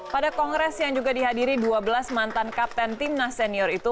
pada kongres yang juga dihadiri dua belas mantan kapten timnas senior itu